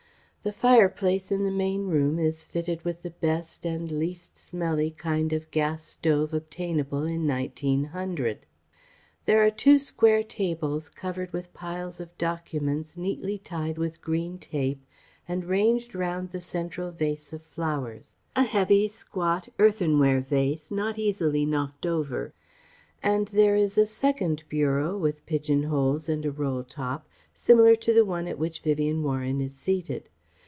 The fireplace in the main room is fitted with the best and least smelly kind of gas stove obtainable in 1900. There are two square tables covered with piles of documents neatly tied with green tape and ranged round the central vase of flowers; a heavy, squat earthenware vase not easily knocked over; and there is a second bureau with pigeon holes and a roll top, similar to the one at which Vivien Warren is seated.